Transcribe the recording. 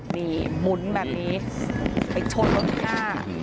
มุ้นแบบนี้ไปชดรถหน้า